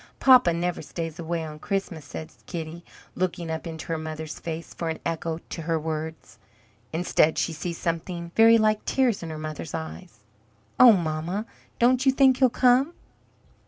Papa never stays away on Christmas," says Kitty, looking up into her mother's face for an echo to her words. Instead she sees something very like tears in her mother's eyes. "Oh, mamma, don't you think he'll come?"